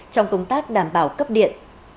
trong công tác đảm bảo cấp điện